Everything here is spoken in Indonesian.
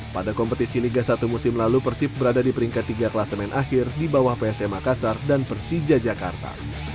pada kompetisi liga satu musim lalu persib berada di peringkat tiga kelas main akhir di bawah psm makassar dan persija jakarta